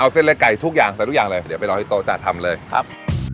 เส้นเล็กไก่ทุกอย่างใส่ทุกอย่างเลยเดี๋ยวไปรอที่โต๊ะจ้ะทำเลยครับ